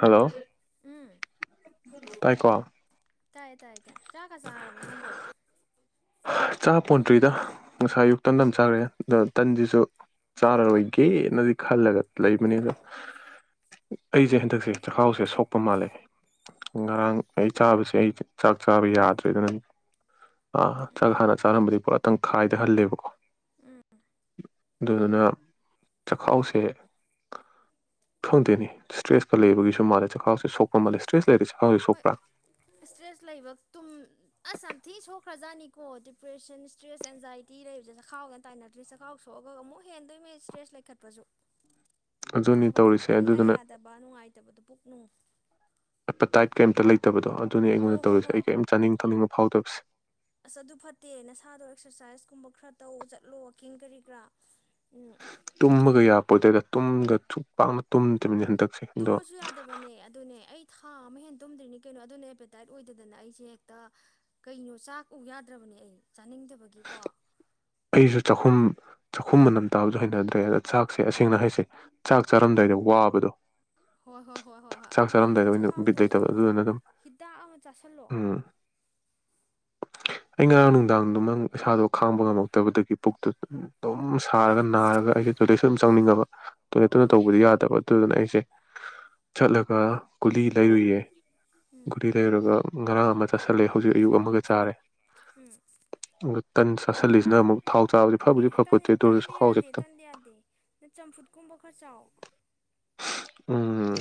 Hello! ꯎꯝ꯫ ꯇꯥꯏ ꯀꯣ? ꯇꯥꯏ - ꯇꯥꯏ꯫ ꯆꯥꯛꯒ ꯆꯥꯔꯕꯣ ꯅꯪꯕꯣ? ꯆꯥ ꯄꯣꯟꯇ꯭ꯔꯤꯗ ꯉꯁꯥꯏ ꯑꯌꯨꯛ ꯇꯟ ꯑꯃ ꯆꯥꯔꯦ ꯑꯗ ꯇꯟꯁꯤꯁꯨ ꯆꯥꯔꯔꯣꯏꯒꯦꯅꯗꯤ ꯈꯜꯂꯒ ꯂꯩꯕꯅꯤ ꯑꯗꯣ ꯑꯩꯁꯦ ꯍꯟꯗꯛꯁꯦ ꯆꯈꯥꯎꯁꯦ ꯁꯣꯛꯄ ꯃꯥꯜꯂꯦ ꯉꯔꯥꯡ ꯑꯩ ꯆꯥꯕꯁꯦ ꯑꯩꯁꯦ ꯆꯥꯛ ꯆꯥꯕ ꯌꯥ ꯅꯠꯇ꯭ꯔꯦꯗꯅ ꯆꯥꯛ ꯎꯝ ꯍꯥꯟꯅ ꯆꯥꯔꯅꯕꯗꯤ ꯄꯨꯔꯥꯇꯪ ꯈꯥꯏꯗꯍꯜꯂꯦꯕꯀꯣ ꯑꯗꯨꯗꯨꯅ ꯆꯥꯛꯈꯥꯎꯁꯦ ꯈꯡꯗꯦꯅꯦ ꯏꯁꯇ꯭ꯔꯦꯁꯀ ꯂꯩꯕꯒꯤꯁꯨ ꯃꯥꯜꯂꯦ ꯆꯈꯥꯎꯁꯤꯦ ꯁꯣꯛꯄ ꯃꯥꯜꯂꯦ ꯏꯁꯇ꯭ꯔꯦꯁ ꯂꯩꯔꯗꯤ ꯆꯥꯛꯈꯥꯎꯁꯦ ꯍꯣꯏ ꯁꯣꯛꯄ꯭ꯔꯥ ꯏꯁꯇ꯭ꯔꯦꯁ ꯂꯩꯕ ꯇꯨꯝ ꯑꯁ ꯌꯥꯝ ꯁꯦ ꯈ꯭ꯔꯖꯥꯅꯤꯀꯣ ꯗꯤꯄ꯭ꯔꯦꯁꯟ, ꯏꯁꯇ꯭ꯔꯦꯁ, ꯑꯦꯟꯖꯥꯏꯇꯤ ꯂꯩꯕꯁꯦ ꯆꯥꯛꯈꯥꯎꯒꯅ ꯇꯥꯏꯅꯗ꯭ꯔꯤ ꯆꯈꯥꯎ ꯁꯣꯛꯑꯒ ꯑꯃꯨꯛ ꯍꯦꯟꯗꯣꯏꯃꯩ ꯏꯁꯇ꯭ꯔꯦꯁ ꯂꯩꯈꯠꯄꯁꯨ꯫ ꯑꯗꯨꯅꯤ ꯆꯥꯕ - ꯇꯧꯔꯤꯁꯦ ꯊꯛꯄ ꯏꯌꯥ ꯑꯗꯨꯗꯨꯅ ꯌꯥꯗꯕ ꯅꯨꯡꯉꯥꯏꯇꯕꯗꯨ ꯄꯨꯛ - ꯅꯨꯡ꯫ ꯑꯦꯄꯥꯇꯥꯏꯞ ꯀꯦꯝꯇ ꯂꯩ ꯇꯕꯗꯣ ꯑꯗꯨꯅꯤ ꯑꯩꯉꯣꯟꯗ ꯍꯣ ꯍꯣ ꯇꯧꯔꯤꯁꯦ ꯍꯣꯏ ꯑꯩ ꯀꯔꯤꯝ ꯆꯥꯅꯤꯡ ꯊꯛꯅꯤꯡꯕ ꯐꯥꯎꯗꯕ ꯑꯁ ꯑꯗꯨ ꯐꯠꯇꯦ ꯅꯁꯥꯗꯣ ꯑꯦꯛꯁꯔꯁꯥꯏꯁꯀꯨꯝꯕ ꯈꯔ ꯇꯧ ꯆꯠꯂꯣ ꯋꯥꯋꯥꯛꯀꯤꯡ ꯀꯔꯤ ꯀꯔꯥ꯫ ꯎꯝ ꯇꯨꯝꯃꯒ ꯌꯥꯄꯣꯗꯩꯗ꯫ ꯇꯨꯝꯗ ꯁꯨꯛ ꯄꯥꯛꯅ ꯇꯨꯝꯗ꯭ꯔꯤꯕꯅꯤ ꯍꯟꯗꯛ ꯇꯨꯝꯕꯁꯨ ꯌꯥꯗꯕꯅꯦ ꯑꯗꯨꯅꯦ ꯑꯩ ꯊꯥ ꯑꯃ ꯍꯦꯟ ꯇꯨꯝꯗ꯭ꯔꯤꯅꯤ ꯀꯩꯅꯣ ꯑꯗꯨꯅ ꯍꯦꯄꯦꯇꯥꯏꯠ ꯑꯣꯏꯗꯗꯅ ꯑꯩꯁꯦ ꯍꯦꯛꯇ ꯀꯩꯅꯣ ꯆꯥꯛ ꯎ ꯌꯥꯗ꯭ꯔꯕꯅꯦ ꯑꯩ꯫ ꯆꯥꯅꯤꯡꯗꯕꯒꯤꯀꯣ꯫ ꯑꯩꯁꯨ ꯆꯥꯛꯈꯨꯝ ꯆꯥꯛꯈꯨꯝ ꯃꯅꯝ ꯇꯥꯕꯗ ꯍꯩꯅꯗ꯭ꯔꯦ ꯑꯗ ꯆꯥꯛꯁꯦ ꯑꯁꯦꯡꯅ ꯍꯥꯏꯁꯦ ꯆꯥꯛ ꯆꯥꯔꯝꯗꯥꯏꯗ ꯋꯥꯕꯗꯣ꯫ ꯍꯣꯏ ꯍꯣꯏ ꯍꯣꯏ ꯍꯣꯏ ꯍꯣꯏ ꯆꯥꯛ ꯑꯗꯨꯅꯦ ꯆꯥꯔꯝꯗꯥꯏꯗ ꯅꯪ ꯑꯣꯏꯅ ꯕꯤꯠ ꯆꯈꯥꯎꯗꯧ ꯂꯩꯇꯕꯗꯣ ꯑꯗꯨꯗꯨꯅ ꯑꯗꯨꯝ ꯍꯤꯗꯥꯛ ꯑꯃ ꯆꯥꯥꯁꯜꯂꯣ꯫ ꯎꯝ ꯑꯩ ꯉꯔꯥꯡ ꯅꯨꯡꯗꯥꯡꯗꯣ ꯅꯪ ꯏꯁꯥꯗꯣ ꯈꯥꯡꯕ ꯉꯝꯃꯛ ꯇꯕꯗꯒꯤ ꯄꯨꯛꯇꯨ ꯑꯗꯨꯝ ꯁꯥꯔꯒ ꯅꯥꯔꯒ ꯑꯩꯁꯦ ꯇꯣꯏꯂꯦꯠꯁꯨ ꯑꯗꯨꯝ ꯆꯪꯅꯤꯡꯉꯕ ꯇꯣꯏꯂꯦꯠꯇꯨꯅ ꯑꯥ ꯇꯧꯕꯗꯤ ꯌꯥꯗꯕ ꯑꯗꯨꯗꯨꯅ ꯑꯩꯁꯦ ꯆꯠꯂꯒ ꯒꯨꯂꯤ ꯂꯩꯔꯨꯏꯌꯦ꯫ ꯎꯝ ꯨꯒꯨꯂꯤ ꯂꯩꯔꯒ ꯉꯔꯥꯡ ꯑꯃ ꯆꯥꯁꯤꯜꯂꯦ ꯍꯧꯖꯤꯛ ꯑꯌꯨꯛ ꯑꯃꯒ ꯆꯥꯔꯦ꯫ ꯎꯝ꯫ ꯇꯟ ꯆꯥꯁꯂꯤꯁ ꯅꯥꯃꯨꯛ ꯑꯦ ꯇꯟꯗꯤ ꯌꯥꯗꯦ ꯈꯤꯇꯪ ꯇꯟꯗꯤ ꯌꯥꯗꯦ ꯅ ꯆꯝꯐꯨꯠ ꯀꯨꯝꯕ ꯈꯔ ꯆꯥꯎ꯫ ꯎꯝ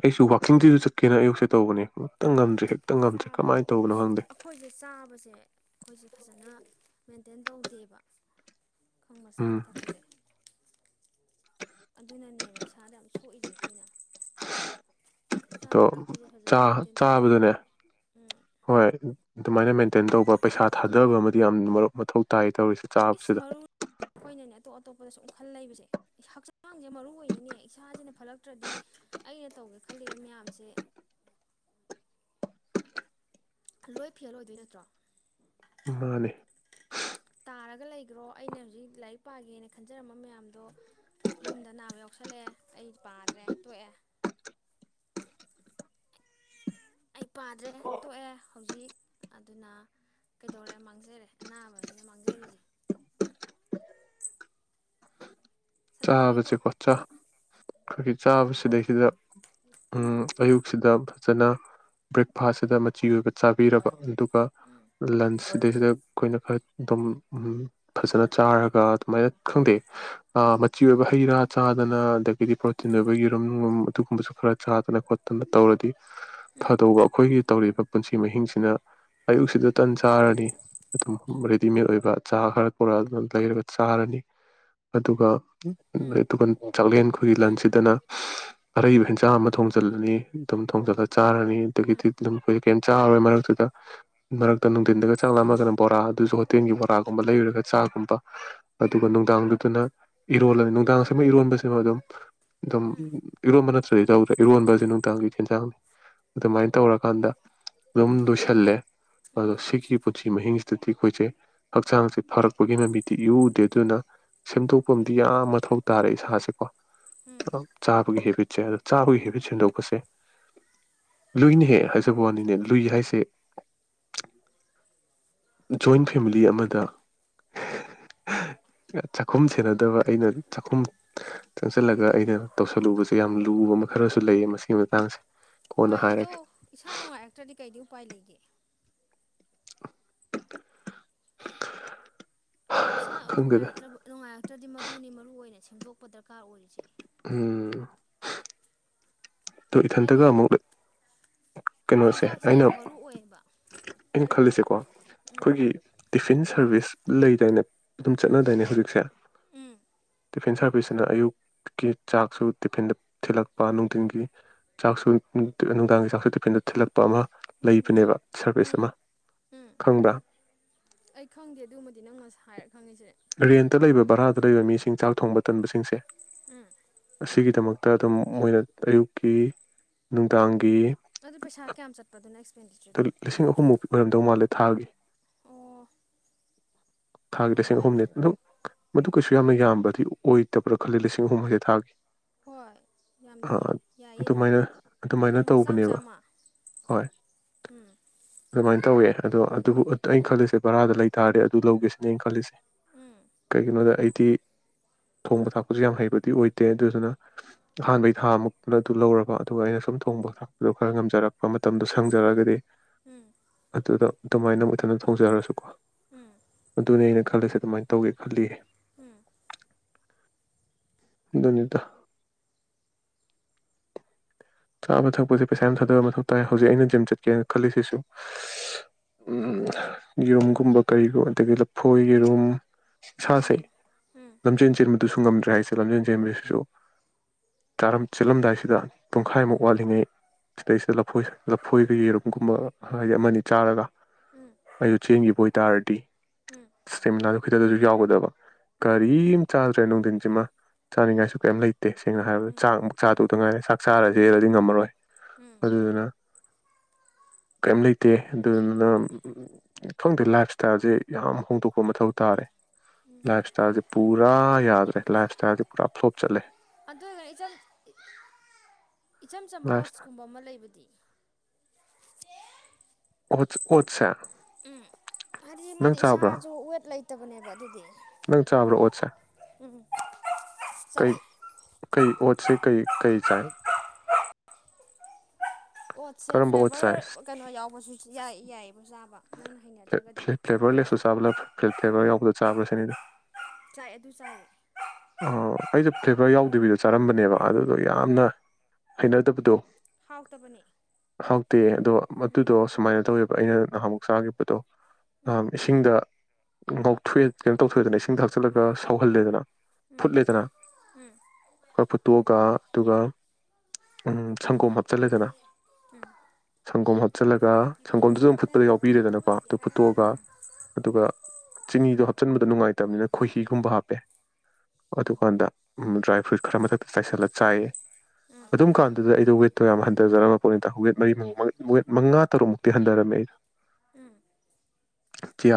ꯑꯩꯁꯨ ꯋꯥꯛꯀꯤꯡꯗꯨꯁꯨ ꯆꯠꯀꯦꯅ ꯑꯌꯨꯛꯁꯦ ꯇꯧꯕꯅꯦ ꯑꯃꯨꯛꯇꯥ ꯉꯝꯗ꯭ꯔꯤ ꯫ ꯆꯥꯕꯗꯣ ꯑꯩꯈꯣꯏꯁꯦ ꯆꯥꯕꯁꯦ ꯑꯩꯈꯣꯏꯁꯦ ꯐꯖꯅ ꯃꯦꯟꯇꯦꯟ ꯇꯧꯗꯦꯕ ꯈꯪꯕ ꯆꯥꯕ ꯎꯝ ꯊꯛꯄꯁꯦ ꯑꯗꯨꯅꯅꯦꯕ ꯏꯁꯥꯗ ꯌꯥꯝ ꯁꯣꯛꯏꯁꯦ ꯑꯩꯈꯣꯏꯅ ꯑꯗꯣ ꯆꯥꯕ ꯊꯛꯄꯁꯦ ꯐꯖꯅ ꯆꯥ ꯃꯦꯟꯇꯦꯟ ꯆꯥꯕꯗꯅꯦ ꯇꯧꯔꯒꯗꯤ ꯎꯝ ꯍꯣꯏ ꯑꯗꯨꯃꯥꯏꯅ ꯃꯦꯟꯇꯦꯟ ꯇꯧꯕ ꯄꯩꯁꯥ ꯊꯥꯗꯕ ꯑꯃꯗꯤ ꯌꯥꯝꯅ ꯃꯊꯧ ꯇꯥꯏ ꯇꯧꯔꯤꯁꯦ ꯏꯁ ꯆꯥꯕꯁꯤꯗ ꯃꯔꯨꯣꯏꯅꯅꯦ ꯑꯇꯣꯞ ꯑꯇꯣꯞꯄꯗ ꯁ ꯈꯜ ꯂꯩꯕꯁꯦ ꯍꯛꯆꯥꯡꯁꯦ ꯃꯔꯨ ꯑꯣꯏꯅꯦ ꯏꯁꯥꯁꯤꯅ ꯐꯠꯂꯛꯇ꯭ꯔꯗꯤ ꯑꯩꯅ ꯇꯧꯒꯦ ꯈꯜꯂꯤꯕ ꯃꯌꯥꯝꯁꯦ ꯂꯣꯏ ꯐꯦꯜ ꯑꯣꯏꯗꯣꯏ ꯅꯠꯇ꯭ꯔꯣ ꯃꯥꯅꯦ ꯇꯥꯔꯒ ꯂꯩꯈ꯭ꯔꯣ ꯑꯩꯅ ꯍꯧꯖꯤꯛ ꯂꯥꯏꯔꯤꯛ ꯄꯥꯒꯦꯅ ꯈꯟꯖꯔꯝꯕ ꯃꯌꯥꯝꯗꯣ ꯌꯨꯝꯗ ꯅꯥꯕ ꯌꯥꯎꯁꯜꯂꯛꯑꯦ ꯑꯩ ꯄꯥꯗ꯭ꯔꯦ ꯇꯣꯛꯑꯦ ꯑꯩ ꯄꯥꯗ꯭ꯔꯦ ꯇꯣꯛꯑꯦ ꯍꯧꯖꯤꯛ ꯑꯗꯨꯅ ꯀꯩꯗꯧꯔꯦ ꯃꯥꯡꯖꯔꯦ ꯑꯅꯥꯕꯁꯤꯅ ꯃꯥꯡꯖꯔꯤꯁꯦ ꯁꯅꯥ ꯊꯧꯔꯤ ꯆꯥꯕꯖꯦ ꯄꯣꯔꯛꯑꯣ ꯀꯣꯠꯆ ꯑꯩꯈꯣꯏꯒꯤ ꯆꯥꯕꯁꯤꯗꯩꯁꯤꯗ ꯑꯌꯨꯛꯁꯤꯗ ꯐꯖꯅ ꯕ꯭ꯔꯦꯛꯐꯥꯁꯁꯤꯗ ꯃꯆꯤ ꯑꯣꯏꯕ ꯆꯥꯕꯤꯔꯕ ꯎꯝ ꯂꯟꯁ ꯁꯤꯗꯩꯁꯤꯗ ꯑꯩꯈꯣꯏꯅ ꯈꯔ ꯑꯗꯨꯝ ꯐꯖꯅ ꯆꯥꯔꯒ ꯑꯗꯨꯃꯥꯏꯅ ꯈꯪꯗꯦ ꯃꯆꯤ ꯑꯣꯏꯕ ꯍꯩ ꯔꯥ ꯆꯥꯗꯅ ꯑꯗꯒꯤꯗꯤ ꯄ꯭ꯔꯣꯇꯤꯟ ꯑꯣꯏꯕ ꯌꯦꯔꯨꯝ ꯑꯗꯨꯒꯨꯝꯕꯁꯨ ꯈꯔ ꯆꯥꯗꯅ ꯈꯣꯠꯇꯅ ꯇꯧꯔꯗꯤ ꯎꯝ ꯐꯗꯧꯕ ꯑꯩꯈꯣꯏꯒꯤ ꯎꯝ ꯇꯧꯔꯤꯕ ꯄꯨꯟꯁꯤ ꯃꯍꯤꯡꯁꯤꯅ ꯑꯌꯨꯛꯁꯤꯗ ꯇꯟ ꯆꯥꯔꯅꯤ ꯑꯗꯨꯝ ꯔꯦꯗꯤꯃꯦꯗ ꯑꯣꯏꯕ ꯆꯥ ꯈꯔ ꯄꯨꯔꯛ ꯑꯗꯨꯅ ꯂꯩꯔꯒ ꯆꯥꯔꯅꯤ ꯑꯗꯨꯒ ꯇꯨꯒ ꯆꯥꯛꯂꯦꯟ ꯑꯩꯈꯣꯏꯒꯤ ꯎꯝ ꯂꯟꯁꯤꯗꯅ ꯑꯔꯩꯕ ꯍꯦꯟꯁꯥꯡ ꯑꯃ ꯊꯣꯡꯖꯤꯜꯂꯅꯤ ꯑꯗꯨꯝ ꯊꯣꯡꯖꯤꯜꯂ ꯆꯥꯔꯅꯤ ꯎꯝ ꯑꯗꯥꯒꯤꯗꯤ ꯍꯣꯏ ꯀꯩꯝ ꯆꯥꯔꯣꯏ ꯃꯔꯛꯇꯨꯗ ꯃꯔꯛꯇ ꯅꯨꯡꯊꯤꯟꯗꯒ ꯆꯪꯉꯛꯑꯃꯒꯅ ꯕꯣꯔꯥ ꯑꯗꯨꯁꯨ ꯍꯣꯇꯦꯜꯒꯤ ꯕꯣꯔꯥꯒꯨꯝꯕ ꯂꯩꯔꯨꯔꯒ ꯆꯥꯒꯨꯝꯕ ꯎꯝ ꯑꯗꯨꯒ ꯅꯨꯡꯗꯥꯡꯗꯨ ꯑꯗꯨꯅ ꯏꯔꯣꯜꯂꯅꯤ ꯅꯨꯡꯗꯥꯡꯁꯤꯃ ꯏꯔꯣꯟꯕꯁꯤꯅ ꯑꯗꯨꯝ ꯑꯗꯨꯝ ꯎꯝ ꯎꯝ ꯏꯔꯣꯟꯕ ꯅꯠꯇ꯭ꯔ ꯑꯗꯨ ꯇꯧꯗ꯭ꯔꯦ ꯏꯔꯣꯟꯕꯁꯦ ꯅꯨꯡꯗꯥꯡꯒꯤ ꯆꯦꯟꯖꯥꯡꯅꯤ ꯑꯗꯨꯃꯥꯏꯅ ꯇꯧꯔꯀꯥꯟꯗ ꯑꯗꯨꯝ ꯂꯣꯏꯁꯜꯂꯦ ꯑꯗꯣ ꯎꯝ ꯁꯤꯒꯤ ꯄꯨꯟꯁꯤ ꯃꯍꯤꯡꯁꯤꯗꯗꯤ ꯑꯩꯈꯣꯏꯁꯦ ꯍꯛꯆꯥꯡꯁꯦ ꯐꯥꯔꯛꯄꯒꯤ ꯅꯨꯃꯤꯠꯇꯤ ꯏꯎ ꯎꯗꯦ ꯑꯗꯨꯅ ꯁꯦꯝꯗꯣꯛꯄ ꯑꯃꯗꯤꯗꯤ ꯌꯥꯝ ꯃꯊꯧ ꯇꯥꯔꯦ ꯏꯁꯥꯁꯦꯀꯣ ꯎꯝ ꯆꯥꯕꯒꯤ ꯍꯦꯕꯤꯠ ꯆꯥꯕꯒꯤ ꯍꯦꯕꯤꯠ ꯁꯦꯡꯗꯣꯛꯄꯁꯦ ꯂꯨꯏꯅꯦ ꯍꯦꯛ ꯍꯥꯏꯖꯕ ꯋꯥꯅꯤꯅꯦ ꯂꯨꯏ ꯍꯥꯏꯁꯦ ꯖꯣꯏꯟ ꯐꯦꯃꯤꯂꯤ ꯑꯃꯗ ꯆꯥꯛꯈꯨꯝ ꯁꯦꯟꯅꯗꯕ ꯑꯩꯅ ꯆꯥꯛꯈꯨꯝ ꯆꯪꯁꯤꯜꯂꯒ ꯑꯩꯅ ꯇꯧꯁꯤꯜꯂꯨꯕꯁꯦ ꯌꯥꯝ ꯂꯨꯕ ꯑꯃ ꯈꯔꯁꯨ ꯂꯩꯌꯦ ꯃꯁꯤꯒꯤ ꯃꯇꯥꯡꯁꯦ ꯀꯣꯟꯅ ꯍꯣꯏ ꯑꯗꯣ ꯍꯥꯏꯔꯒꯦ ꯏꯁꯥ ꯅꯨꯡꯉꯥꯏꯔꯛꯇ꯭ꯔꯗꯤ ꯀꯩꯗꯤ ꯎꯄꯥꯏ ꯂꯩꯒꯦ [unintelligible] ꯏꯁꯥ ꯈꯪꯗꯦꯗ ꯅꯨꯡꯉꯥꯏꯔꯛꯇ꯭ꯔ ꯅꯨꯡꯉꯥꯏꯔꯛꯇ꯭ꯔꯗꯤ ꯃꯗꯨꯅꯤ ꯃꯔꯨ ꯑꯣꯏꯔꯤꯁꯦ꯫ ꯁꯦꯝꯗꯣꯛꯄ ꯗꯔꯀꯥꯔ ꯑꯣꯏꯔꯤꯁꯦ꯫ ꯎꯝ꯫ ꯑꯣ ꯏꯊꯟꯇꯒ ꯍꯥꯏꯗꯤ ꯑꯃꯨꯛ ꯀꯩꯅꯣꯁꯦ ꯆꯤꯟꯖꯥꯛꯁꯦ ꯑꯩꯅ ꯌꯥꯝ ꯃꯔꯨ ꯑꯣꯏꯌꯦꯕ ꯑꯩꯅ ꯈꯜꯂꯤꯁꯦꯀꯣ ꯎꯝ ꯑꯩꯈꯣꯏꯒꯤ ꯇꯤꯐꯤꯟ ꯁꯥꯔꯚꯤꯁ ꯂꯩꯗꯥꯏꯅ ꯑꯗꯨꯝ ꯎꯝ ꯆꯠꯅꯗꯣꯏꯅꯦ ꯍꯧꯖꯤꯛꯁꯦ ꯎꯝ ꯇꯤꯐꯤꯟ ꯁꯥꯔꯚꯤꯁꯁꯤꯅ ꯑꯌꯨꯛꯀꯤ ꯆꯥꯛꯁꯨ ꯇꯤꯐꯤꯟꯗ ꯊꯤꯜꯂꯛꯄ ꯅꯨꯡꯊꯤꯟꯒꯤ ꯆꯥꯛꯁꯨ ꯅꯨꯡꯗꯥꯡꯒꯤ ꯆꯥꯛꯁꯨ ꯐꯤꯟꯗ ꯊꯤꯜꯂꯛ ꯑꯃꯥ ꯂꯩꯕꯅꯦꯕꯥ ꯎꯝ ꯁꯦꯔꯕꯤꯁ ꯎꯝ ꯑꯃꯥ ꯎꯝ ꯈꯪꯕꯔ꯭? ꯑꯩ ꯈꯪꯗꯦ ꯑꯗꯨꯃꯗꯤ ꯅꯪ ꯉꯁꯥꯏ ꯍꯥꯏꯔ ꯈꯪꯉꯤꯁꯦ ꯔꯦꯟꯠ ꯂꯩꯕꯥ ꯕꯥꯔꯗꯥ ꯂꯩꯕꯥ ꯃꯤꯁꯤꯡ ꯆꯥꯛ ꯊꯣꯪꯕꯥ ꯇꯟꯕꯁꯤꯡꯁꯦ ꯎꯝ ꯑꯁꯤꯒꯤꯗꯃꯛ꯫ ꯇ ꯑꯗꯨꯝ ꯃꯣꯏꯅ ꯑꯌꯨꯛꯀꯤ ꯅꯨꯡꯗꯥꯡ ꯑꯗꯨ ꯄꯩꯁꯥ ꯀꯌꯥꯝ ꯆꯠꯄꯗꯨ ꯅꯦꯛ ꯂꯤꯁꯤꯡ ꯑꯍꯨꯝꯃꯨꯛꯀꯤ ꯑꯣꯏꯔꯝꯗꯧ ꯃꯥꯜꯂꯦ꯫ ꯊꯥꯒꯤ ꯑꯣ ꯫ ꯊꯥꯒꯤ ꯑꯣ ꯂꯤꯁꯤꯪ ꯑꯩ ꯑꯍꯨꯝꯅꯦ ꯑꯗꯨ ꯃꯗꯨ ꯀꯩꯁꯨ ꯌꯥꯝꯅ ꯌꯥꯝꯕꯗꯤ ꯑꯣꯏꯗꯕ꯭ꯔꯥ ꯈꯜꯂꯤ ꯂꯤꯁꯤꯡ ꯑꯍꯨꯝ ꯍꯥꯏꯖ ꯊꯥꯒꯤ꯫ ꯍꯣꯏ ꯌꯥꯝꯗꯤꯌꯦ ꯑꯥ, ꯌꯥꯏꯌꯦ ꯑꯗꯨꯝ ꯑꯗꯨꯃꯥꯏꯅ ꯑꯗꯨꯃꯥꯏꯅ ꯅꯣꯡꯃꯗ ꯆꯥꯝꯃ- ꯇꯧꯕꯅꯦꯕ ꯆꯥꯝꯃ꯫ ꯍꯣꯏ ꯎꯝ꯫ ꯑꯗꯨꯃꯥꯏꯅ ꯇꯧꯋꯦ ꯑꯗꯣ ꯑꯗꯨꯕꯨ ꯑꯩꯅ ꯈꯜꯂꯤꯁꯦ ꯕꯔꯥꯗ ꯂꯩꯇꯥꯔꯗꯤ ꯑꯗꯨ ꯂꯧꯒꯦꯁꯤꯅꯦ ꯑꯩꯅ ꯈꯜꯂꯤꯁꯦ ꯎꯝ ꯀꯩꯒꯤꯅꯣꯗ ꯑꯩꯗꯤ ꯊꯣꯡꯕ ꯊꯥꯛꯄꯁꯨ ꯌꯥꯝ ꯍꯩꯕꯗꯤ ꯑꯣꯏꯗꯦ ꯑꯗꯨꯗꯨꯅ ꯑꯍꯥꯟꯕꯩ ꯊꯥꯃꯨꯛꯇꯅ ꯑꯗꯨ ꯂꯧꯔꯕ ꯑꯗꯨꯒ ꯑꯩꯅ ꯁꯨꯝ ꯊꯣꯡꯕ ꯊꯥꯛꯄꯗꯣ ꯈꯔ ꯉꯝꯖꯔꯛꯄ ꯃꯇꯝꯗꯁꯨ [unintelligible] ꯎꯝ ꯑꯗꯨꯗ ꯑꯗꯨꯃꯥꯏꯅ ꯃꯨꯊꯟꯅ ꯊꯧꯖꯔꯁꯨꯀꯣ꯫ ꯎꯝ ꯑꯗꯨꯅꯤ ꯑꯩꯅꯥ ꯈꯜꯂꯤꯁꯦ ꯑꯗꯨꯃꯥꯏꯅ ꯇꯧꯒꯦ ꯈꯜꯂꯤꯌꯦ꯫ ꯎꯝ꯫ ꯗꯨꯅꯤꯗ꯫ ꯆꯥꯕ ꯊꯛꯄꯁꯦ ꯄꯩꯁꯥ ꯌꯥꯝ ꯊꯥꯗꯕ ꯃꯊꯧ ꯇꯥꯏ ꯍꯧꯖꯤꯛ ꯑꯩꯅ ꯖꯤꯝ ꯆꯠꯀꯦꯅ ꯈꯜꯂꯤꯁꯤꯁꯨ ꯌꯦꯔꯨꯝꯒꯨꯝꯕ ꯀꯔꯤꯒꯨꯝ ꯑꯗꯒꯤ ꯂꯐꯣꯏ ꯌꯦꯔꯨꯝ ꯁꯥ ꯁꯦ ꯎꯝ ꯎꯝ ꯂꯝꯖꯦꯟ ꯆꯦꯟꯕ ꯑꯗꯨꯁꯨ ꯉꯝꯗ꯭ꯔꯦ ꯍꯥꯏꯁꯦ ꯂꯝꯖꯦꯟꯖꯦꯟꯕꯁꯤꯁꯨ ꯆꯦꯜꯂꯝꯗꯥꯏꯁꯤꯗ꯫ ꯄꯨꯡꯈꯥꯏꯃꯨꯛ ꯋꯥꯠꯂꯤꯉꯩ ꯁꯤꯗꯩꯁꯤꯗ ꯂꯐꯣꯏ ꯂꯐꯣꯏꯒ ꯌꯦꯔꯨꯝꯒꯨꯝꯕ ꯍꯥꯏꯗꯤ ꯑꯃꯅꯤ ꯆꯥꯔꯒ ꯎꯝ ꯑꯩꯖꯨ ꯆꯦꯟꯒꯤ ꯑꯣꯏꯇꯥꯥꯔꯗꯤ ꯎꯝ [unintelligible] ꯈꯤꯌꯗꯖꯨ ꯌꯥꯎꯒꯗꯕ꯫ ꯎꯝ ꯀꯔꯤꯝ ꯆꯜꯔꯦ ꯅꯅꯨꯡ ꯁꯤꯃ ꯆꯥꯅꯤꯡꯉꯥꯏꯁꯨ ꯀꯩꯝ ꯂꯩꯇꯦ ꯇꯦꯦꯡꯅ ꯍꯥꯏꯔꯕꯗ ꯎꯝ ꯆꯥꯛ ꯆꯥꯣꯛꯗꯇ ꯉꯥꯏꯔꯦ ꯆꯥꯛ ꯆꯔꯁꯨ ꯍꯦꯜꯂꯗꯤ ꯉꯝꯃꯔꯣꯏ ꯎꯝ ꯑꯗꯨꯗꯨꯅ ꯀꯔꯤꯝ ꯂꯩꯇꯦ ꯑꯗꯨꯗꯨꯅ ꯈꯪꯗꯦ ꯂꯥꯏꯞ ꯏꯁꯇꯥꯏꯜꯁꯦ ꯌꯥꯝ ꯍꯣꯡꯗꯣꯛꯄ ꯃꯊꯧ ꯇꯥꯔꯦ ꯂꯥꯏꯐ ꯁꯇꯥꯏꯜꯁꯤ ꯄꯨꯔ ꯌꯥꯗ ꯂꯥꯏꯐ꯭ꯇꯥꯏꯜꯗꯤ ꯄꯨꯔꯥ ꯐ꯭ꯂꯣꯞ ꯆꯠꯂꯦ ꯑꯗ ꯀꯍꯤ ꯆ ꯏꯆꯝ ꯆꯝꯕ ꯂꯥꯏꯞ ꯏꯁꯇꯥꯏꯜ ꯑꯣꯠꯁꯀꯨꯝꯕ ꯑꯃ ꯂꯩꯕꯗꯤ ꯑꯣ ꯑꯣꯠꯆꯥ ꯎꯝ ꯍꯥꯏꯗꯤ ꯃꯥꯗꯤ ꯏꯁꯥꯁꯨ ꯋꯦꯠ ꯂꯩꯇꯦ ꯇꯠꯇꯕꯨꯅꯦꯕ ꯑꯗꯨꯤꯗꯤ ꯅꯪ ꯆꯝꯕꯔꯣ ꯑꯣꯁꯦ ꯎꯝ ꯁꯋ ꯀꯩ ꯑꯣꯠꯁꯦ ꯀꯩ ꯀꯩ ꯆꯏ ꯑꯣꯠꯁꯦ ꯀꯔꯝꯕ ꯑꯣꯠ ꯐ꯭ꯂꯦꯕꯔ ꯀꯩꯅꯣ ꯌꯥꯎꯕꯁꯨ ꯌꯥꯏ ꯌꯥꯏꯌꯦ ꯐꯞ ꯐ꯭ꯂꯦꯕꯔꯂ ꯁꯨꯁꯕꯂ ꯐ ꯐ꯭ꯂꯦꯕꯔ ꯌꯥꯎꯕꯗ ꯆꯥꯕ꯭ꯔꯥ ꯁꯤꯅꯤꯗ ꯆꯥꯏ ꯑꯗꯨ ꯆꯥꯏ ꯑꯣ ꯑꯩꯁꯦ ꯐ꯭ꯂꯦꯕꯔ ꯌꯥꯎꯗꯕꯤꯗ ꯆꯥꯔꯝꯕꯅꯦꯕ ꯑꯗꯨꯗꯣ ꯌꯥꯝꯅ ꯍꯩꯅ ꯇꯞꯗꯣ ꯍꯥꯎꯇꯕꯅꯦ ꯍꯥꯎꯇꯦ ꯑꯗꯣ ꯑꯗꯨꯗꯣ ꯁꯨꯃꯥꯏꯅ ꯇꯧꯋꯦꯕ ꯑꯩꯅ ꯛ ꯆꯥꯈꯤꯕꯗꯣ ꯑ ꯏꯁꯤꯡꯗ ꯉꯥꯎꯊꯣꯛꯑꯦ ꯀꯩꯅꯣ ꯇꯧꯊꯣꯛꯑꯦꯗꯅ ꯏꯁꯤꯡ ꯊꯥꯛꯆꯤꯂꯒ ꯁꯥꯎꯍꯜꯂꯦꯗꯅ ꯐꯨꯠꯂꯤꯦꯗꯅ ꯑꯩꯣꯏ ꯐꯨꯠꯇꯣꯛꯑꯒ ꯑꯗꯨꯒ ꯎ ꯁꯪꯒꯣꯝ ꯍꯥꯞꯆꯜꯂꯦꯗꯅ ꯁꯪꯒꯣꯝ ꯍꯥꯞꯆꯤꯜꯂꯒ ꯂꯣꯛꯇꯥꯛꯀꯤ ꯐꯣꯇꯣ ꯁꯪꯒꯣꯝꯗꯨꯁꯨ ꯑꯗꯨꯝ ꯐꯨꯠꯄꯗ ꯌꯥꯎ ꯀꯥꯞꯅꯔꯤꯕ꯭ꯔꯣ ꯄꯤꯔꯦꯗꯅꯀꯣ ꯑꯩꯈꯣꯏꯒꯤꯗꯤ ꯑꯗꯨ ꯐꯨꯠꯇꯣꯛꯑꯒ ꯎꯝ ꯑꯗꯨꯒ ꯆꯤꯅꯤꯗꯣ ꯍꯥꯞꯆꯤꯟꯕꯗ ꯅꯨꯡꯉꯥꯏꯇ ꯠꯇꯕꯅꯤꯅ ꯈꯣꯏꯍꯤꯒꯨꯝꯕ ꯍꯥꯞꯄꯦ ꯑꯗꯨꯀꯥꯟꯗ ꯗ꯭ꯔꯥꯏ ꯐ꯭ꯔꯨꯏꯠ ꯈꯔ ꯃꯊꯛꯇ ꯆꯥꯏꯁꯤꯜꯂ ꯆꯥꯏꯌꯦ ꯑꯗꯨꯝ ꯀꯥꯟꯗꯨꯗ ꯑꯩꯗꯣ ꯋꯦꯠꯇꯣ ꯌꯥꯝ ꯍꯟꯊꯖꯔꯝꯃ ꯄꯣꯠꯅꯤꯗ ꯋꯦꯠ ꯃꯔꯤ ꯋꯦꯠ ꯃꯉꯥ ꯇꯔꯨꯛꯃꯨꯛꯇꯤ ꯍꯟꯊꯔꯝꯃꯦ ꯑꯩꯗꯣ ꯎꯝ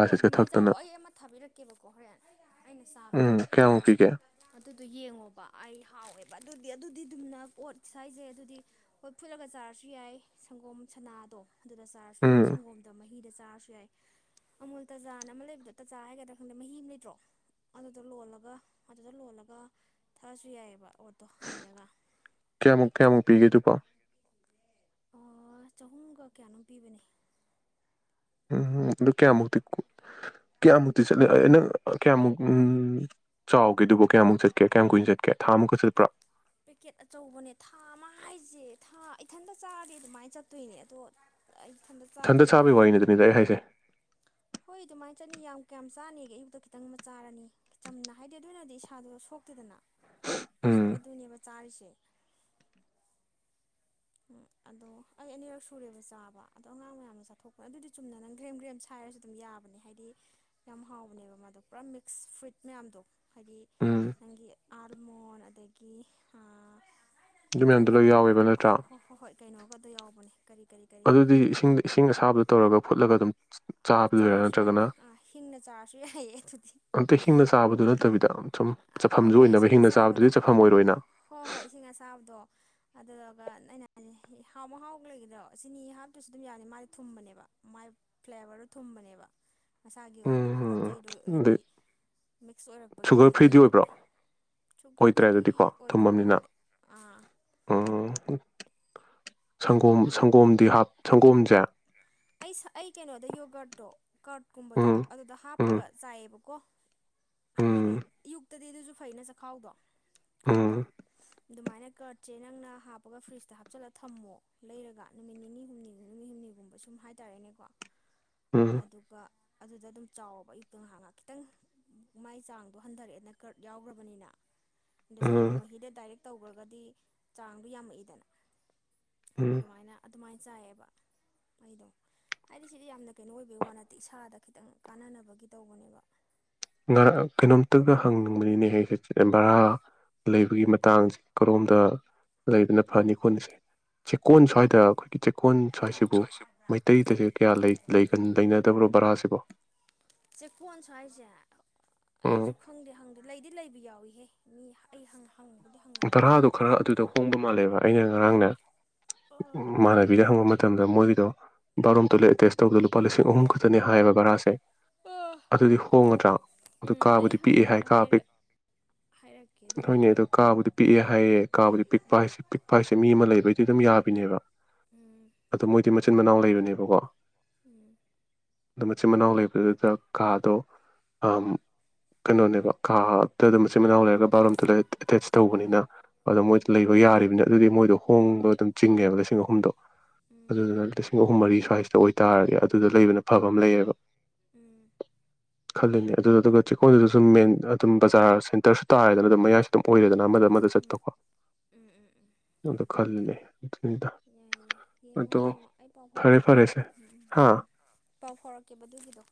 ꯍꯣ ꯑꯗꯨꯃꯥꯏꯅ ꯊꯛꯇꯅ ꯆꯥꯎꯋꫭ ꯑꯩ ꯑꯃ ꯊꯥꯕꯤꯔꯛꯀꯦꯕꯀꯣ ꯍꯣꯔꯦꯟ ꯑꯩꯅ ꯆꯥꯕꯗꯣ ꯎꯝ ꯀꯌꯥꯃꯨꯛ ꯄꯤꯒꯦ ꯑꯗꯨꯗꯣ ꯌꯦꯡꯉꯣꯕ ꯑꯩ ꯍꯥꯎꯋꯦꯕ ꯑꯗꯨ ꯑꯗꯨꯗꯤ ꯑꯗꯨꯝꯅ ꯑꯣꯠ ꯁꯥꯏꯖꯩ ꯑꯗꯨꯗꯤ ꯍꯣꯏ ꯐꯨꯠꯂꯒ ꯆꯥꯔꯁꯨ ꯌꯥꯏ ꯁꯪꯒꯣꯝ ꯁꯥꯅꯥꯗꯣ ꯑꯗꯨꯝꯅ ꯆꯥꯔꯖꯁꯨꯨ ꯌꯥꯏ ꯎꯝ ꯁꯪꯒꯣꯝꯗ ꯃꯍꯤ ꯍꯤꯗ ꯆꯥꯔꯁꯨ ꯌꯥꯏ ꯑꯃꯨꯜ ꯇꯥꯖꯥꯅ ꯑꯃ ꯂꯩꯕꯗꯣ ꯇꯥꯖꯥ ꯍꯥꯏꯒꯗ꯭ꯔꯥ ꯈꯪꯗꯦ ꯃꯍꯤ ꯑꯃ ꯂꯩꯇ꯭ꯔꯣ ꯑꯗꯨꯗ ꯂꯣꯜꯂꯒ ꯑꯗꯨꯗ ꯂꯣꯜꯂꯒ ꯊꯛꯑꯁꯨ ꯌꯥꯏꯌꯦꯕ ꯀꯌꯥꯃꯨꯛ ꯀꯌꯥꯃꯨꯛ ꯄꯤꯒꯦ ꯗꯨꯕꯣ ꯆꯍꯨꯝꯒ ꯀꯌꯥꯅꯣꯝ ꯄꯤꯕꯅꯦ ꯎꯝ ꯑꯗꯨ ꯀꯌꯥꯃꯨꯛꯇꯤ ꯀꯌꯥꯃꯨꯛꯇꯤ ꯆꯠꯂꯦ ꯅꯪ ꯀꯌꯥꯃꯨꯛ ꯎꯝ ꯆꯥꯎꯒꯦ ꯑꯗꯨꯕꯣ ꯀꯌꯥꯃꯨꯛ ꯆꯠꯀꯦ ꯀꯌꯥꯝ ꯀꯨꯏꯅ ꯆꯠꯀꯦ ꯊꯥꯃꯨꯛꯀ ꯆꯠꯄ꯭ꯔꯥ ꯄꯦꯛꯀꯦꯠ ꯑꯆꯧꯕꯅꯦ ꯊꯥ ꯑꯃ ꯍꯥꯏꯁꯦ ꯊꯥ ꯏꯊꯟꯇ ꯆꯥꯔꯗꯤ ꯑꯗꯨꯃꯥꯏꯅ ꯆꯠꯇꯣꯏꯅꯦ ꯑꯗꯣ ꯑꯩ ꯏꯊꯟꯇ ꯆꯥꯗꯦ ꯏꯊꯟꯗ ꯆꯥꯕꯒꯤ ꯋꯥꯔꯤꯗꯨꯅꯤꯗ ꯑꯩ ꯍꯥꯏꯁꯦ ꯍꯣꯏ ꯑꯗꯨꯃꯥꯏꯅ ꯆꯠꯅꯤ ꯌꯥꯝ ꯀꯌꯥꯝ ꯆꯥꯅꯤꯒꯦ ꯑꯌꯨꯛꯇ ꯈꯤꯇꯪ ꯑꯃ ꯆꯥꯔꯅꯤ ꯆꯝꯅ ꯍꯥꯏꯗꯤ ꯑꯗꯨꯅꯗꯤ ꯏꯁꯥꯗꯨ ꯁꯣꯛꯇꯦꯗꯅ ꯎꯝ ꯑꯩꯁꯨ ꯑꯗꯨꯅꯦꯕ ꯆꯥꯔꯤꯁꯦ ꯀꯦ [inaudible] ꯑꯗꯣ ꯑꯩ ꯑꯅꯤꯔꯛ ꯁꯨꯔꯦꯕ ꯆꯥꯕ ꯑꯗꯣ ꯑꯉꯥꯡ ꯃꯌꯥꯝꯅ ꯆꯥꯊꯣꯛꯄꯅꯦ ꯑꯗꯨꯗꯤ ꯆꯨꯝꯅ ꯅꯪ ꯒ꯭ꯔꯦꯝ ꯒ꯭ꯔꯦꯝ ꯁꯥꯏꯔꯁꯨ ꯑꯗꯨꯝ ꯌꯥꯕꯅꯦ ꯍꯥꯏꯗꯤ ꯌꯥꯝ ꯍꯥꯎꯕꯅꯦꯕ ꯃꯥꯗꯣ ꯄꯨꯔꯥ ꯃꯤꯛꯁ ꯐ꯭ꯔꯨꯏꯠ ꯃꯌꯥꯝꯗꯣ ꯍꯥꯏꯗꯤ ꯎꯝ ꯅꯪꯒꯤ ꯑꯥꯜꯃꯣꯟ ꯑꯗꯒꯤ ꯑꯥ ꯑꯗꯨ ꯃꯌꯥꯝꯗꯣ ꯂꯣꯏꯅ ꯌꯥꯎꯋꯦꯕ ꯅꯠ ꯑ ꯍꯣ ꯍꯣ ꯍꯣꯏ ꯍꯣꯏ ꯀꯩꯅꯣꯒꯗꯣ ꯌꯥꯎꯕꯅꯦ ꯀꯔꯤ ꯀꯔꯤ ꯀꯔꯤ ꯑꯗꯨꯗꯤ ꯏꯁꯤꯡ ꯏꯁꯤꯡ ꯑꯁꯥꯕꯗ ꯇꯧꯔꯒ ꯐꯨꯠꯂꯒ ꯑꯗꯨꯒ ꯆꯥꯕꯗꯨꯔꯥ ꯆꯥꯔꯁꯨ ꯌꯥꯔꯦ ꯅꯠꯇ꯭ꯔꯒꯅ ꯑꯥ ꯍꯤꯡꯅ ꯆꯥꯔꯁꯨ ꯌꯥꯏꯌꯦ ꯑꯗꯨꯗꯤ ꯑꯝꯇ ꯍꯁꯤꯡꯅ ꯆꯥꯕꯗꯨ ꯅꯠꯇꯕꯤꯗ ꯁꯨꯝ ꯍꯣꯏ ꯆꯥꯐꯝꯁꯨ ꯍꯣꯏ ꯑꯣꯏꯅꯕ ꯏꯁꯤꯡ ꯍꯤꯡꯅ ꯑꯁꯥꯕꯗ ꯆꯥꯕꯗꯨꯗꯤ ꯆꯥꯐꯝ ꯑꯣꯏꯔꯣꯏꯅ ꯍꯣꯏ ꯍꯣꯏ ꯏꯁꯤꯡ ꯑꯁꯥꯕꯗꯣ ꯑꯗꯨ ꯑꯗꯨꯒ ꯅꯩꯅ ꯍꯥꯎꯕ ꯍꯥꯎꯕ ꯂꯩꯒꯗ꯭ꯔꯣ ꯆꯤꯅꯤ ꯍꯥꯞꯇꯔ꯭ꯁꯨ ꯑꯗꯨꯝ ꯌꯥꯅꯤ ꯃꯥꯗꯤ ꯊꯨꯝꯕꯅꯦꯕ ꯃꯥꯏ ꯐ꯭ꯂꯦꯕꯔꯗꯣ ꯊꯨꯝꯕꯅꯦꯕ ꯃꯁꯥꯒꯤ ꯑꯣꯏꯅ ꯄꯣꯠ ꯎꯝ ꯆꯩꯗꯣ ꯍꯥꯏꯗꯤ ꯑꯗꯩ ꯃꯤꯛꯁ ꯑꯣꯏꯔꯛꯄꯒꯤ ꯁꯨꯒꯔ ꯐ꯭ꯔꯤꯗꯤ ꯑꯗꯒꯤ ꯑꯣꯏꯕ꯭ꯔꯣ ꯑꯣꯏꯗ꯭ꯔꯦ ꯑꯗꯨꯗꯤꯀꯣ ꯑꯣꯏꯗꯕ ꯊꯨꯝꯃꯅꯤꯅ ꯃꯥꯜꯂꯦ ꯑꯥ ꯑꯣ ꯁꯪꯒꯣꯝ ꯁꯪꯒꯣꯝ ꯗꯤ ꯍꯥꯞ ꯁꯪꯒꯣꯝꯖꯦ ꯑꯩ ꯁ ꯑꯩ ꯀꯩꯅꯣꯗ ꯌꯣꯒꯥꯔꯠꯇꯣ ꯀꯔꯠꯀꯨꯝꯕꯗꯣ ꯎꯝ ꯑꯗꯨꯗ ꯎꯝ ꯍꯥꯞꯄꯒ ꯆꯥꯏꯑꯦꯕꯀꯣ ꯎꯝ ꯍꯥꯏꯗꯤ ꯏꯌꯨꯛꯇꯗꯤ ꯑꯗꯨꯖꯨ ꯐꯩꯩꯅ ꯆꯈꯥꯎꯗꯣ ꯎꯝ ꯀꯠꯇꯣ ꯑꯗꯨꯃꯥꯏꯅ ꯀꯔꯠ ꯁꯦꯅꯪꯅ ꯍꯥꯞꯄꯒ ꯐ꯭ꯔꯤꯖꯇ ꯍꯥꯞꯆꯜꯂ ꯊꯝꯃꯣ ꯂꯩꯔꯒ ꯅꯨꯃꯤꯠ ꯅꯤꯅꯤ ꯍꯨꯝꯅꯤꯒ ꯅꯤꯅꯤ ꯍꯨꯝꯅꯤꯒꯨꯝꯕꯁꯨ ꯁꯨꯝ ꯍꯥꯏꯇꯥꯔꯦꯅꯦꯀꯣ ꯎꯝ ꯑꯗꯨꯒ ꯑꯗꯨꯗ ꯑꯗꯨꯝ ꯆꯥꯎꯕ ꯑꯌꯨꯛꯇ ꯉꯍꯥꯛ ꯉꯍꯥꯛ ꯈꯤꯇꯪ ꯃꯥꯏ ꯆꯥꯡꯗꯣ ꯍꯟꯊꯔꯛꯑꯦꯅ ꯀꯔꯠ ꯌꯥꯎꯈ꯭ꯔꯕꯅꯤꯅ ꯑꯗꯣ ꯎꯝ ꯁꯪꯒꯣꯝ ꯃꯍꯤꯗ ꯗꯥꯏꯔꯦꯛ ꯇꯧꯈ꯭ꯔꯒꯗꯤ ꯆꯥꯡꯗꯣ ꯌꯥꯝꯃꯛꯏꯗꯅ ꯎꯝ ꯑꯗꯨꯃꯥꯏꯅ ꯑꯗꯨꯃꯥꯏꯅ ꯆꯥꯏꯌꯦꯕ ꯑꯩꯗꯣ ꯍꯥꯏꯗꯤ ꯁꯤꯗꯤ ꯌꯥꯝꯅ ꯀꯩꯅꯣ ꯑꯣꯏꯕꯩ ꯋꯥ ꯅꯠꯇꯦ ꯏꯁꯥꯗ ꯈꯤꯇꯪ ꯀꯥꯟꯅꯅꯕꯒꯤ ꯇꯧꯕꯅꯦꯕ ꯉ ꯀꯩꯅꯣꯝꯇꯒ ꯍꯪꯅꯤꯡꯕꯅꯤꯅꯦ ꯍꯦ ꯕꯔꯥ [unintelligible] ꯂꯩꯕꯒꯤ ꯃꯇꯥꯡꯁꯦ ꯀꯔꯣꯝꯗ ꯂꯩꯕꯅ ꯐꯅꯤ ꯈꯣꯠꯅꯤꯁꯦ ꯆꯦꯛꯀꯣꯟ ꯁ꯭ꯋꯥꯏꯗ ꯈꯣꯏ ꯆꯦꯛꯀꯣꯟ ꯁ꯭ꯋꯥꯏꯁꯤꯕꯨ ꯁ꯭ꯋꯥꯏꯁꯦ ꯃꯩꯇꯩꯗꯗ ꯀꯌꯥ ꯂꯩꯒꯟ ꯂꯩꯅꯗꯕ꯭ꯔꯣ ꯕꯔꯥꯁꯤꯕꯣ ꯆꯦꯀꯣꯟ ꯁꯋꯥꯏꯁꯦ ꯎꯝ ꯑꯩꯁꯨ ꯈꯪꯗꯦ ꯍꯪꯗꯦ ꯂꯩꯗꯤ ꯂꯩꯕ ꯌꯥꯎꯏꯍꯦ ꯃꯤ ꯑꯩ ꯍꯪꯉ ꯚꯔꯥꯗꯣ ꯈꯔ ꯑꯗꯨꯗ ꯍꯣꯡꯕ ꯃꯥꯜꯂꯦꯕ ꯑꯩꯅ ꯉꯔꯥꯡꯅꯦ ꯎꯝ ꯏꯃꯥꯟꯅꯕꯤꯗ ꯍꯪꯕꯃꯠ ꯃꯇꯝꯗ ꯃꯣꯏꯒꯤꯗꯣ ꯕꯥꯔꯣꯝ ꯇꯣꯏꯂꯦꯠ ꯑꯦꯇꯦꯁ ꯇꯧꯕꯗ ꯂꯨꯄꯥ ꯂꯤꯁꯤꯡ ꯑꯍꯨꯝ ꯈꯛꯇꯅꯦ ꯍꯥꯏꯌꯦꯕ ꯚꯔꯥꯁꯦ ꯑꯗꯨꯗꯤ ꯍꯣꯡꯉꯗ꯭ꯔꯥ ꯑꯗꯨ ꯎꯝ ꯑꯩ ꯀꯥꯕꯨꯗꯤ ꯄꯤꯛꯑꯦ ꯍꯥꯏ ꯍꯪꯉꯒ ꯀꯥ ꯄꯤꯛ ꯍꯥꯏꯔꯛ ꯍꯥꯏꯔꯛꯀꯦ ꯅꯣꯏꯅꯦ ꯑꯗꯨꯕꯨꯗꯤ ꯑꯗꯨ ꯄꯤꯛꯑꯦ ꯍꯥꯏꯌꯦ ꯀꯥꯕꯨꯗꯤ ꯄꯤꯛꯄ ꯍꯥꯏꯁꯦ ꯄꯤꯛꯄ ꯍꯥꯏꯁꯦ ꯃꯤ ꯑꯃ ꯂꯩꯕꯩꯗꯤ ꯑꯗꯨꯝ ꯌꯥꯕꯤꯅꯦꯕ ꯎꯝ ꯑꯗꯨꯃꯥꯏ [inaudible] ꯆꯤꯟ ꯃꯅꯥꯎ ꯂꯩꯕꯅꯦꯕꯀꯣ ꯎꯝ ꯑꯗꯣ ꯃꯆꯤꯟ ꯃꯅꯥꯎ ꯂꯩꯕꯗꯨꯗ ꯀꯥꯗꯣ ꯑꯝ ꯀꯩꯅꯣꯅꯦꯕ ꯀꯥꯗꯨꯗ ꯃꯆꯤꯟ ꯃꯅꯥꯎ ꯂꯩꯔꯒ ꯕꯥꯔꯣꯝ ꯇꯣꯏꯂꯦꯠ ꯑꯦꯇꯦꯆ ꯇꯧꯕꯅꯤꯅ ꯑꯗꯣ ꯎꯝ ꯃꯣꯏꯗꯤ ꯂꯩꯕ ꯌꯥꯔꯤꯕꯅꯤꯅ ꯑꯗꯨꯗꯤ ꯃꯣꯏꯗꯣ ꯍꯣꯡꯕ ꯑꯗꯨꯝ ꯆꯤꯡꯉꯦꯕ ꯂꯤꯁꯤꯡ ꯑꯍꯨꯝꯗꯣ ꯎꯝ ꯑꯗꯨꯗꯨꯅ ꯂꯤꯁꯤꯡ ꯑꯍꯨꯝ ꯃꯔꯤ ꯁ ꯀꯥꯏꯁꯤꯇ ꯑꯣꯏꯇꯥꯔꯗꯤ ꯑꯗꯨꯗ ꯂꯩꯕꯅ ꯐꯕ ꯑꯃ ꯂꯩꯌꯦꯕ ꯎꯝ ꯈꯜꯂꯨꯅꯦ ꯑꯗꯨꯗ ꯑꯗꯨꯒ ꯆꯦꯛꯀꯣꯟꯗꯨꯗ ꯁꯨꯝ ꯃꯦꯟ ꯑꯗꯨꯝ ꯕꯖꯥꯔ ꯁꯦꯟꯇꯔꯁꯨ ꯇꯥꯔꯦꯗꯅ ꯑꯗꯨꯝ ꯑꯣꯏꯔꯦꯗꯅ ꯑꯃꯗ ꯑꯃꯗ ꯆꯠꯄꯀꯣ ꯎꯝ ꯎꯝ ꯎꯝ ꯎꯝ ꯑꯗꯨꯗꯣ ꯈꯜꯂꯨꯅꯦ ꯑꯗꯨꯅꯤꯗ ꯌꯥꯏ ꯌꯥꯏ ꯌꯦꯡꯉꯣ ꯑꯗꯣ ꯌꯦꯡꯉꯣ ꯑꯩ ꯄꯥꯎ ꯐꯔꯦ ꯐꯥꯎꯔꯛꯀꯦ ꯐꯔꯦ ꯁꯦ ꯎꯝ ꯎꯝ ꯍꯥꯥ ꯎꯝ ꯄꯥꯎ ꯐꯥꯎꯔꯛꯀꯦꯕ ꯑꯗꯨꯒꯤꯗꯣ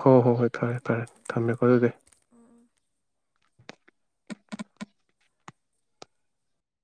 ꯍꯣꯏ ꯍꯣꯏ ꯍꯣꯏ ꯐꯔꯦ ꯐꯔꯦ ꯊꯝꯃꯦꯀꯣ ꯑꯗꯨꯗꯤ ꯎꯝ ꯎꯝ [unintelligible]